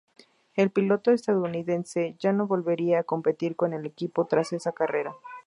El piloto estadounidense ya no volvería a competir con el equipo tras esa carrera.